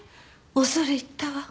恐れ入ったわ。